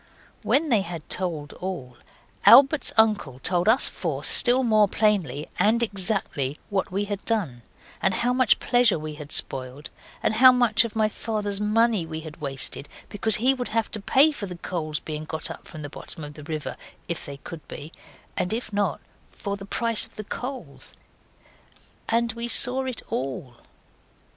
When they had told all, Albert's uncle told us four still more plainly, and exactly, what we had done, and how much pleasure we had spoiled, and how much of my father's money we had wasted because he would have to pay for the coals being got up from the bottom of the river, if they could be, and if not, for the price of the coals. And we saw it ALL.